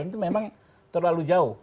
itu memang terlalu jauh